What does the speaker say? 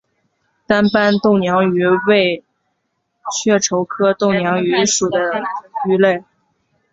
单斑豆娘鱼为雀鲷科豆娘鱼属的鱼类。